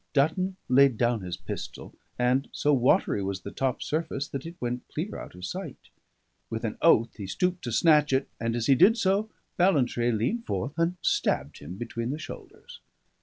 Dutton laid down his pistol, and so watery was the top surface that it went clear out of sight; with an oath he stooped to snatch it; and as he did so, Ballantrae leaned forth and stabbed him between the shoulders.